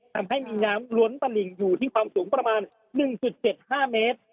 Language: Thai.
ทำให้มีน้ำล้นตะหลิ่งอยู่ที่ความสูงประมาณ๑๗๕เมตร